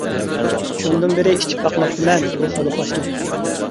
شۇندىن بېرى ئىچىپ باقماپتىمەن بۇ خولۇپ ئاشنى.